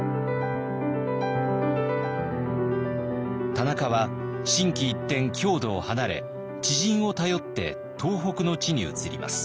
田中は心機一転郷土を離れ知人を頼って東北の地に移ります。